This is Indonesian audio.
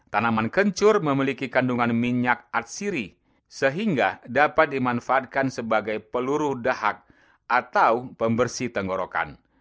tanaman kencur memiliki kandungan minyak atsiri sehingga dapat dimanfaatkan sebagai peluru dahak atau pembersih tenggorokan